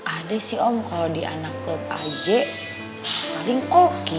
ada sih om kalo di anak klub aja paling oki